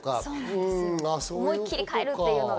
思い切り買えるっていうのが。